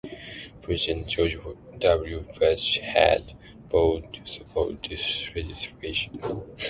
President George W. Bush had vowed to support this legislation.